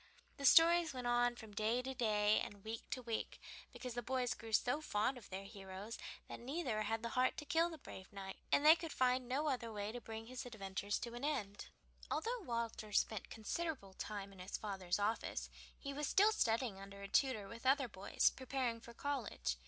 The stories went on from day to day, and week to week, because the boys grew so fond of their heroes that neither had the heart to kill the brave knight, and they could find no other way to bring his adventures to an end. Although Walter spent considerable time in his father's office, he was still studying under a tutor with other boys, preparing for college.